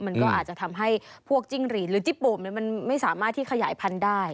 มันก็อาจจะทำให้พวกจิ้งหรีดหรือจิโป่งมันไม่สามารถที่ขยายพันธุ์ได้